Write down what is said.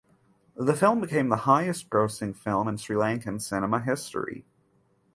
The film became the highest grossing film in Sri Lankan cinema history.